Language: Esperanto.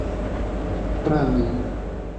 Pranjo!